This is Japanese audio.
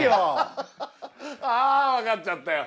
ああわかっちゃったよ。